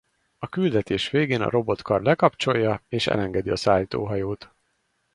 A küldetés végén a robotkar lekapcsolja és elengedi a szállítóhajót.